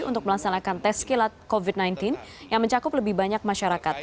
untuk melaksanakan tes kilat covid sembilan belas yang mencakup lebih banyak masyarakat